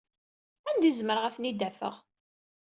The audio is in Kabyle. Anda ay zemreɣ ad ten-id-afeɣ?